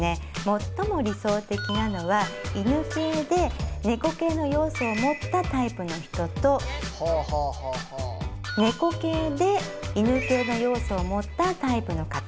最も理想的なのは犬系で猫系の要素を持ったタイプの人と猫系で犬系の要素を持ったタイプの方が相性がいいです。